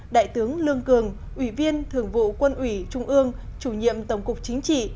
đại tướng lương cường ủy viên thường vụ quân ủy trung ương chủ nhiệm tổng cục chính trị